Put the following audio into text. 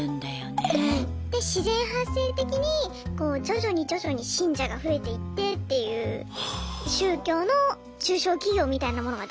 で自然発生的にこう徐々に徐々に信者が増えていってっていう宗教の中小企業みたいなものができたっていうことですね。